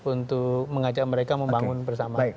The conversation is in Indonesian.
untuk mengajak mereka membangun bersama